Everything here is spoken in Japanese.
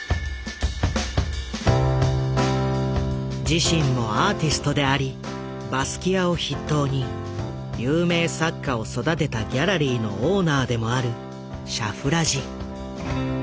自身もアーティストでありバスキアを筆頭に有名作家を育てたギャラリーのオーナーでもあるシャフラジ。